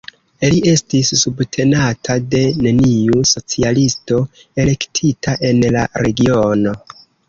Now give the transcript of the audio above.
Li estis subtenata de neniu socialisto elektita en la regiono.